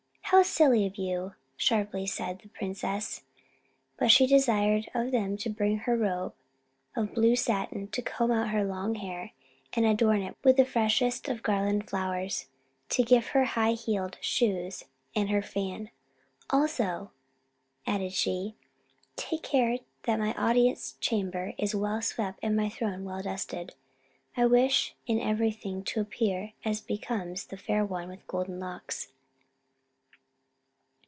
"How silly of you!" sharply said the princess. But she desired them to bring her robe of blue satin to comb out her long hair, and adorn it with the freshest garland of flowers; to give her her high heeled shoes, and her fan. "Also," added she, "take care that my audience chamber is well swept and my throne well dusted. I wish in everything to appear as becomes the Fair One with Golden Locks."